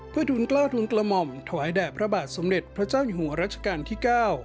เพื่อทุนกล้าวทุนกระหม่อมถวายแด่พระบาทสมเด็จพระเจ้าอยู่หัวรัชกาลที่๙